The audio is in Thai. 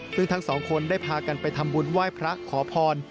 ซึ่งทั้งสองคนได้พากันไปทำบุญไหว้พระขอพร